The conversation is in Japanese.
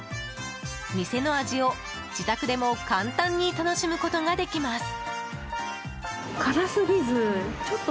店の味を自宅でも簡単に楽しむことができます。